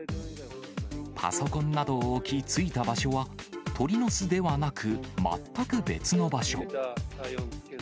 パソコンなどを置き、着いた場所は鳥の巣ではなく、全く別の場所。